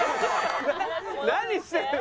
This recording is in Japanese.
何してるの？